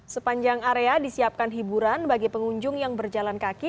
sepanjang area disiapkan hiburan bagi pengunjung yang berjalan kaki